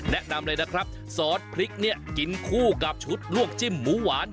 แนะนำเลยนะครับซอสพริกเนี่ยกินคู่กับชุดลวกจิ้มหมูหวาน